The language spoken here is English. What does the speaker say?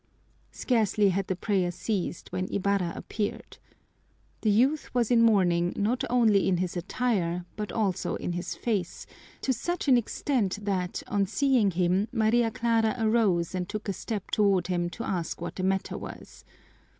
Scarcely had the prayer ceased when Ibarra appeared. The youth was in mourning not only in his attire but also in his face, to such an extent that, on seeing him, Maria Clara arose and took a step toward him to ask what the matter was.